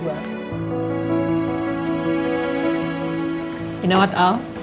saya sangat bangga dengan kalian berdua